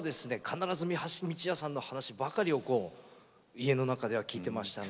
必ず三橋美智也さんの話ばかりを家の中では聞いてましたので。